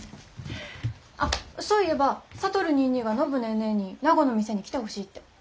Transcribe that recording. あっそういえば智ニーニーが暢ネーネーに名護の店に来てほしいって。